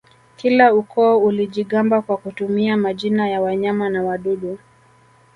Kila ukoo ulijigamba kwa kutumia majina ya wanyama na wadudu